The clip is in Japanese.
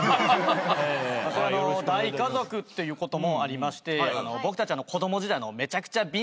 大家族っていうこともありまして僕たち。